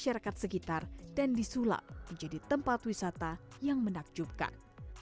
masyarakat sekitar dan disulap menjadi tempat wisata yang menakjubkan